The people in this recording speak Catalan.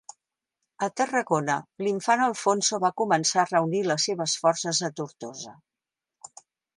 A Tarragona, l'infant Alfonso va començar a reunir les seves forces a Tortosa.